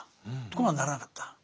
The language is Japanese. ところがならなかった。